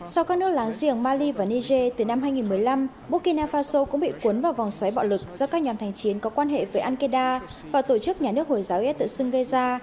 sau các nước láng giềng mali và niger từ năm hai nghìn một mươi năm burkina faso cũng bị cuốn vào vòng xoáy bạo lực do các nhà thành chiến có quan hệ với al qaeda và tổ chức nhà nước hồi giáo is tự xưng gây ra